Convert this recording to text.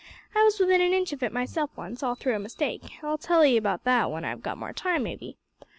I was within an inch of it myself once, all through a mistake I'll tell 'ee about that when I've got more time, maybe.